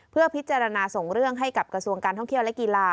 เพื่อพิจารณาส่งเรื่องให้กับกระทรวงการท่องเที่ยวและกีฬา